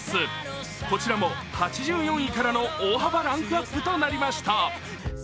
こちらも８４位からの大幅ランクアップとなりました。